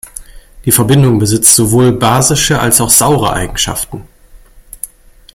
Die Verbindung besitzt sowohl basische als auch saure Eigenschaften.